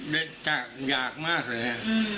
บยศแต่อยากมากเลย